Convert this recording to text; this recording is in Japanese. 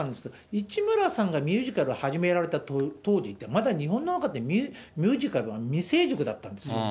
市村さんがミュージカル始められた当時って、まだ日本の中で、ミュージカルは未成熟だったんですよ。